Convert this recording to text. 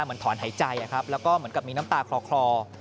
เหมือนถอนหายใจแล้วก็เหมือนกับมีน้ำตาคลอ